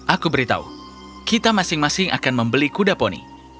aku beritahu kita masing masing akan membeli kuda poni